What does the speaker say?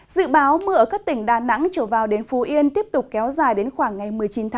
dự báo mưa ở các tỉnh đà nẵng trở vào đến phú yên tiếp tục kéo dài đến khoảng ngày một mươi chín tháng